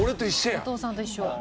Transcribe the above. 後藤さんと一緒。